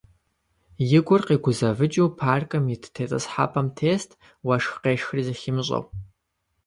И гур къигузэвыкӀыу паркым ит тетӀысхьэпӀэм тест, уэшх къешхри зыхимыщӀэу.